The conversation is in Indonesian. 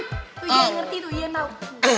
tuh dia ngerti tuh dia tahu